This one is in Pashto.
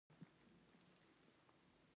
پښتو ژبه باید د ډیجیټل ټکنالوژۍ برخه شي.